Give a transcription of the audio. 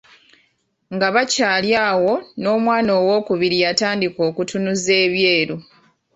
Nga bakyali awo n’omwana ow’okubiri yatandika okutunuza ebyeru.